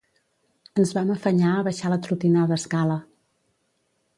Ens vam afanyar a baixar l'atrotinada escala